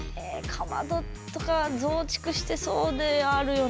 かまどとか増築してそうであるよな。